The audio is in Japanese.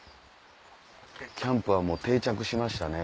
キャンプはもう定着しましたね